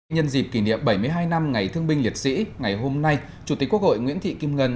nhân dịp kỷ niệm bảy mươi hai năm ngày thương binh liệt sĩ ngày hôm nay chủ tịch quốc hội nguyễn thị kim ngân